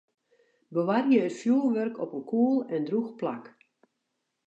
Bewarje it fjoerwurk op in koel en drûch plak.